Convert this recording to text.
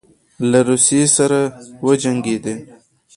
له روسیې سره وجنګېدی.